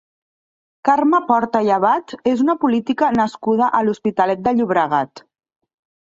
Carme Porta i Abad és una política nascuda a l'Hospitalet de Llobregat.